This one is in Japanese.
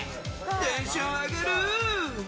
テンション上がるー。